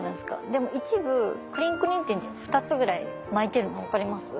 でも一部クリンクリンっていうの２つぐらい巻いてるの分かります？